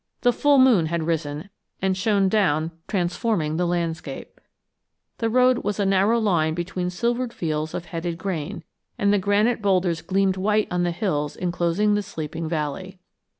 The full moon had risen, and shone down, transforming the landscape. The road was a narrow line between silvered fields of headed grain, and the granite bowlders gleamed white on the hills inclosing the sleeping valley.